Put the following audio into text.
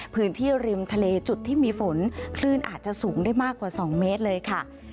พื้นที่ริมทะเลจุดที่มีฝนคลื่นอาจจะสูงได้มากกว่า๒เมตรเลยค่ะ